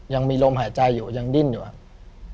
ยังมีลมหายใจอยู่ยังดิ้นอยู่ครับ